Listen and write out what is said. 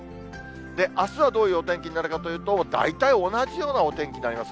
あすはどういうお天気になるかというと、大体同じようなお天気になります。